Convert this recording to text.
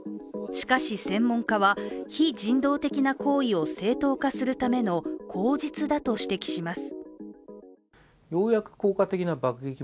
しかし専門家は、非人道的な行為を正当化するための口実だと指摘します。